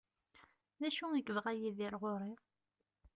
D acu i yebɣa Yidir ɣur-i?